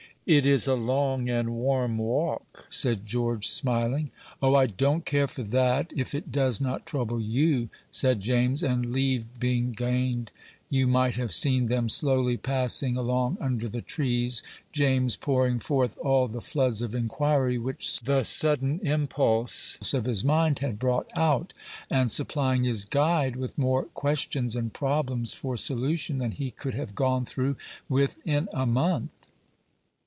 "It is a long and warm walk," said George, smiling. "O, I don't care for that, if it does not trouble you," said James; and leave being gained, you might have seen them slowly passing along under the trees, James pouring forth all the floods of inquiry which the sudden impulse of his mind had brought out, and supplying his guide with more questions and problems for solution than he could have gone through with in a month.